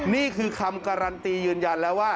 นี่คือคำการันตียืนยันแล้วว่า